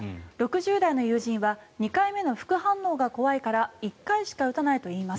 ６０代の友人は２回目の副反応が怖いから１回しか打たないといいます。